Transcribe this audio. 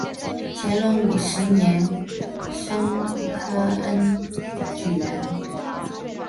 乾隆五十三年戊申恩科举人。